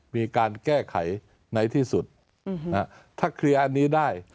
มีการแก้ไขในที่สุดถ้าเคลียร์อันนี้ได้